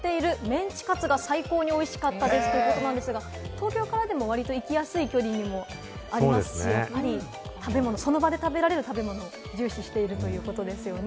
東京からでも割と行きやすい距離にもありますし、その場で食べられる食べ物を重視しているということですよね。